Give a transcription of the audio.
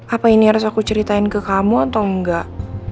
apa ini harus aku ceritain ke kamu atau enggak